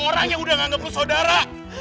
orang yang udah nganggep lo saudara